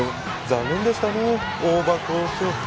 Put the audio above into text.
残念でしたね大場校長。